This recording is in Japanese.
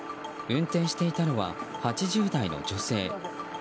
運転していたのは８０代の女性。